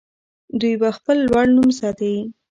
دوی به خپل لوړ نوم ساتي.